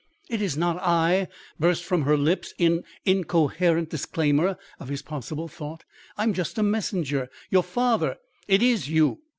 "It is not I," burst from her lips in incoherent disclaimer of his possible thought. "I'm just a messenger. Your father " "It IS you!"